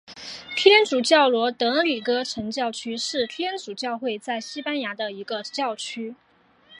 天主教罗德里戈城教区是天主教会在西班牙的一个教区。